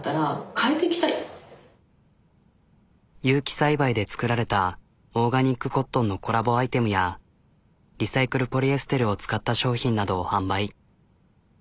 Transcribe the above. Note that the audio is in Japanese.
有機栽培で作られたオーガニックコットンのコラボアイテムやリサイクルポリエステルを使った商品などを販売。